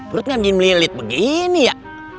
perutnya gini melilit begini ya